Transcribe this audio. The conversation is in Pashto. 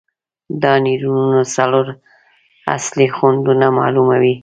دا نیورونونه څلور اصلي خوندونه معلوموي.